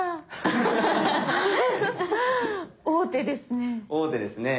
王手ですね。